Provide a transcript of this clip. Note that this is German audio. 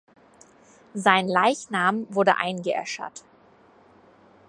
Sein Leichnam wurde eingeäschert.